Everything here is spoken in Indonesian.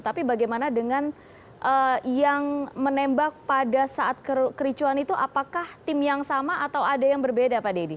tapi bagaimana dengan yang menembak pada saat kericuan itu apakah tim yang sama atau ada yang berbeda pak deddy